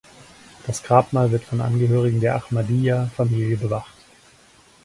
Das Grabmal wird von Angehörigen der Ahmadiyya-Familie bewacht.